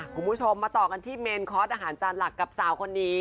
คุณผู้ชมมาต่อกันที่เมนคอร์สอาหารจานหลักกับสาวคนนี้